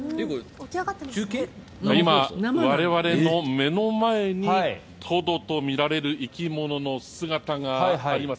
今、我々の目の前にトドとみられる生き物の姿があります。